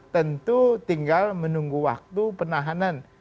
tentu tinggal menunggu waktu penahanan